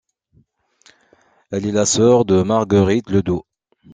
Elle est la sœur de Marguerite Ledoux.